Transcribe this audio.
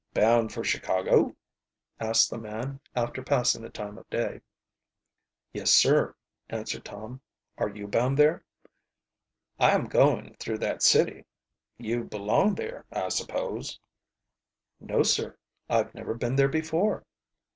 "Bound for Chicago?" asked the man, after passing the time of day. "Yes, sir," answered Tom. "Are you bound there?" "I am going through that city. You belong there, I suppose?" "No, sir, I've never been there before."